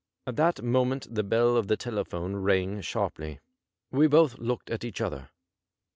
At that moment the bell of the telephone rang sharply. We both looked at each other.